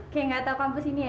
kayak nggak tau kampus ini aja